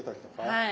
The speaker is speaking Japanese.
はい。